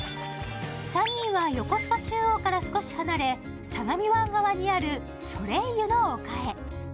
３人は横須賀中央から少し離れ相模湾側にあるソレイユの丘へ。